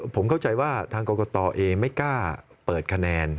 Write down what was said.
ผมเข้าใจว่าทางกรกตเองไม่กล้าเปิดคะแนน